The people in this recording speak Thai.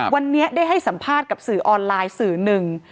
วันนี้ได้ให้สัมภาษณ์กับสื่อออนไลน์สื่อหนึ่ง